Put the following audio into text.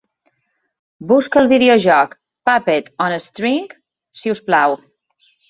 Busca el videojoc Puppet on a String, si us plau.